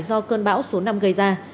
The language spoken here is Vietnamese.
do cơn bão số năm gây ra